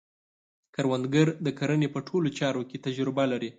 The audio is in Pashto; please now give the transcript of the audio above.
کروندګر د کرنې په ټولو چارو کې تجربه لري